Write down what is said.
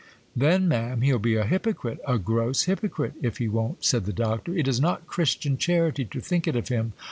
'Then, ma'am, he'll be a hypocrite, a gross hypocrite, if he won't,' said the Doctor. 'It is not Christian charity to think it of him.